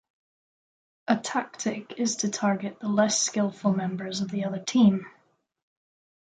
A tactic is to target the less skilful members of the other team.